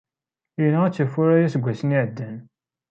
Yenɣa-t ufurray aseggas iɛeddan.